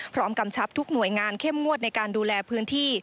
กำชับทุกหน่วยงานเข้มงวดในการดูแลพื้นที่